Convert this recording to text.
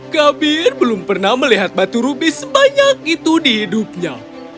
kabir belum pernah melihat batu rubis sebanyak itu di hidupnya